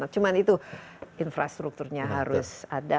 cuma itu infrastrukturnya harus ada